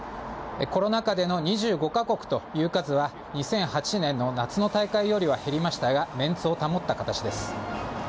コロナ禍での２５か国という数は、２００８年の夏の大会よりは減りましたが、メンツを保った形です。